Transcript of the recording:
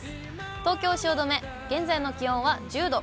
東京・汐留、現在の気温は１０度。